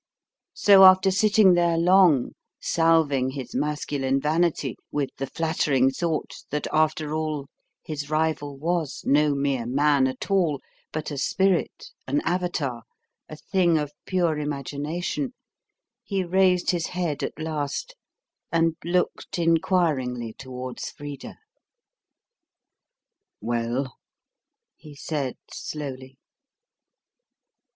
So after sitting there long, salving his masculine vanity with the flattering thought that after all his rival was no mere man at all, but a spirit, an avatar, a thing of pure imagination, he raised his head at last and looked inquiringly towards Frida. "Well?" he said slowly.